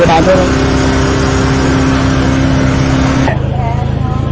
เย็นเย็น